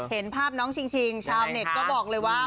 เห็นภาพน้องชิงชาวเน็ตก็บอกเลยว่า